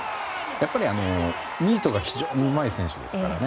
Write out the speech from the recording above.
やっぱりミートが非常にうまいですよね。